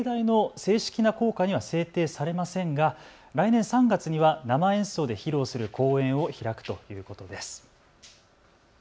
この校歌ですけれども藝大の正式な校歌には制定されませんが来年３月には生演奏で披露する公演を開くということです。